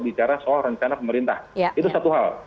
bicara soal rencana pemerintah itu satu hal